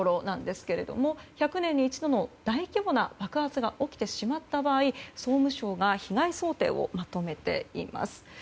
１００年に一度の大規模な爆発が起きてしまった場合総務省が被害想定をまとめています。